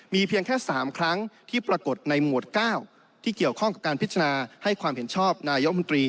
เพียงแค่๓ครั้งที่ปรากฏในหมวด๙ที่เกี่ยวข้องกับการพิจารณาให้ความเห็นชอบนายกมนตรี